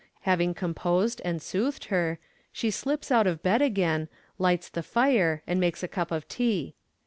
Having composed and soothed her, she slips out of bed again, lights the fire and makes a cup of tea.